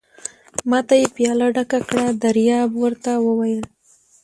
ما ته یې پياله ډکه کړه، دریاب ور ته وویل.